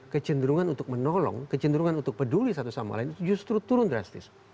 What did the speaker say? kecenderungan untuk menolong kecenderungan untuk peduli satu sama lain justru turun drastis